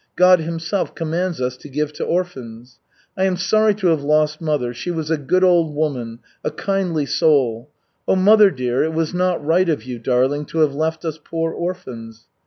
God Himself commands us to give to orphans. I am sorry to have lost mother, she was a good old woman, a kindly soul. Oh, mother dear, it was not right of you, darling, to have left us poor orphans.